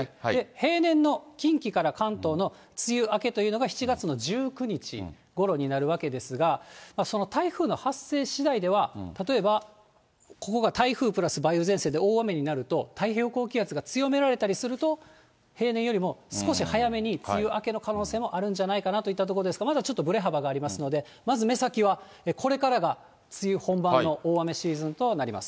平年の近畿から関東の梅雨明けというのが７月の１９日ごろになるわけですが、その台風の発生しだいでは、例えばここが台風プラス梅雨前線で大雨になると、太平洋高気圧が強められたりすると、平年よりも少し早めに梅雨明けの可能性もあるんじゃないかなといったところですが、まだちょっとぶれ幅がありますので、まず目先は、これからが梅雨本番の大雨シーズンとなります。